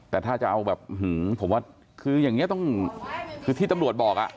แต่ถ้าจะเอาแบบผมว่าคืออย่างนี้ต้องคือที่ตำรวจบอกอ่ะ